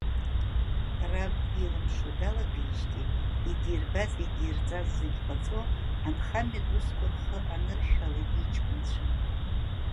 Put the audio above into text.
Раб илымшо далагеижьҭеи, идирбаз-идирҵаз зегь ҟаҵо, анхамҩатә усқәа рхы аныршәалеит иҷкәынцәа.